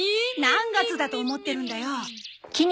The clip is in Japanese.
何月だと思ってるんだよ。